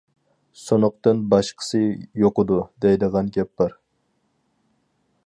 سۇنۇقتىن باشقىسى يۇقىدۇ، دەيدىغان گەپ بار.